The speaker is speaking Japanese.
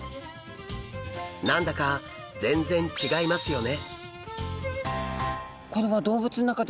何だか全然違いますよね。